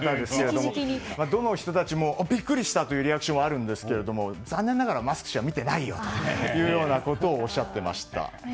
どの人たちもビックリしたというリアクションはあるんですけど残念ながらマスク氏は見てないよとおっしゃっていましたね。